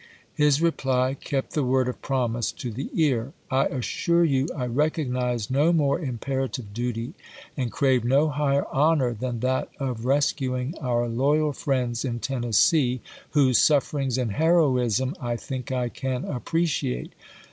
His reply kept the word of promise to the Buell to ^^^'"^ assure you I recognize no more imperative Ma^i d duty, and crave no higher honor, than that of res bw;^8.TSi. cuing oui loyal friends in Tennessee, whose suifer vii^'i..^483: ings and heroism I think I can appreciate."